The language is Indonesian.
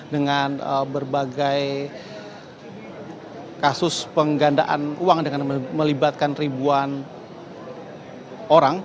dengan berbagai kasus penggandaan uang dengan melibatkan ribuan orang